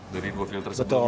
dari dua filter sebelumnya